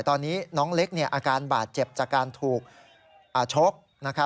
ตอนนี้น้องเล็กอาการบาดเจ็บจากการถูกชก